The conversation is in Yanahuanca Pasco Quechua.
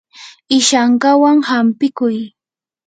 ishankawan hampikuy.